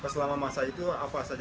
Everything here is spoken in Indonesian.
selama masa itu apa saja